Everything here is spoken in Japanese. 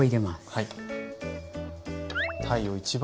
はい。